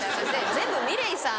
全部ｍｉｌｅｔさん